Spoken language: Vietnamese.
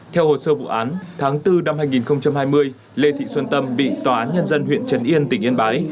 theo hồ sơ vụ án tháng bốn năm hai nghìn hai mươi lê thị xuân tâm bị tòa án nhân dân huyện trần yên tỉnh yên bái